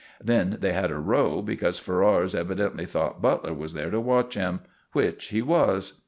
Then they had a row, because Ferrars evidently thought Butler was there to watch him; which he was.